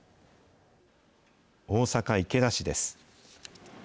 大阪・池田市です。